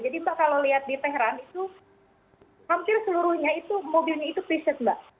jadi mbak kalau lihat di teheran itu hampir seluruhnya itu mobilnya itu pre set mbak